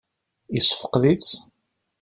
Yessefqed-itt?